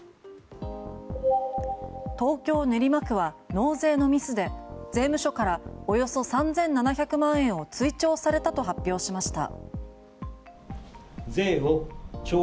東京・練馬区は納税のミスで税務署からおよそ３７００万円を追徴されたと発表しました。